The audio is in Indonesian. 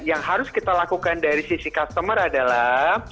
yang harus kita lakukan dari sisi customer adalah